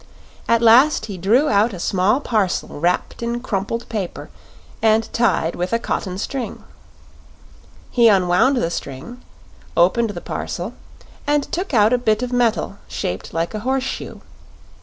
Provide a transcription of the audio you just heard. At last he drew out a small parcel wrapped in crumpled paper and tied with a cotton string. He unwound the string, opened the parcel, and took out a bit of metal shaped like a horseshoe.